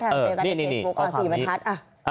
เตรียมตั้งในเฟซบุ๊ค๔บรรทัศน์